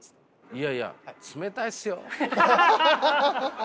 いやいや冷たいっすよ。